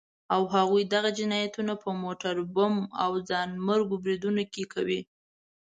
او هغوی دغه جنايتونه په موټر بمونو او ځانمرګو بريدونو کې کوي.